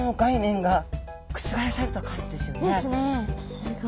すごい。